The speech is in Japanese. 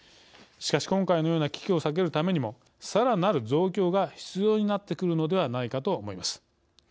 しかし今回のような危機を避けるためにもさらなる増強が必要になってくるのではないかと思います。